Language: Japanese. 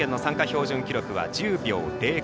標準記録は１０秒０５。